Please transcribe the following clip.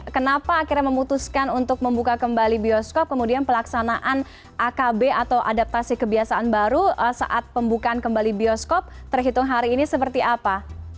kenapa akhirnya memutuskan untuk membuka kembali bioskop kemudian pelaksanaan akb atau adaptasi kebiasaan baru saat pembukaan kembali bioskop terhitung hari ini seperti apa